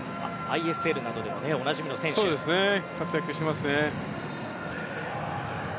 ＩＳＬなどでもおなじみの選手ですね。